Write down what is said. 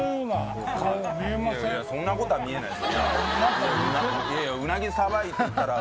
そんなことは見えないです。